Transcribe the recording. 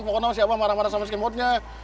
pokoknya si abah marah marah sama si kemotnya